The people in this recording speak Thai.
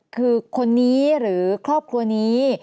คือคนนี้หรือครอบครัวนี้